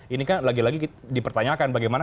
ini kan lagi lagi dipertanyakan bagaimana